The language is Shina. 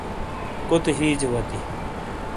کوتے ہیجے وتی۔